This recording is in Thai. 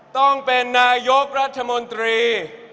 ต้องเป็นนายกรัฐมนตรี